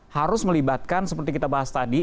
harus melibatkan seperti kita bahas tadi